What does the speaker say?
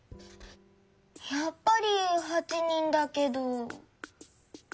やっぱり８人だけど。